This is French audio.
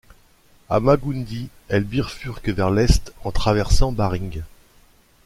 À Magundy, elle bifurque vers l'est, en traversant Baring.